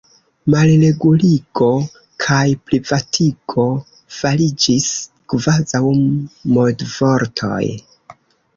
Malreguligo kaj privatigo fariĝis kvazaŭ modvortoj.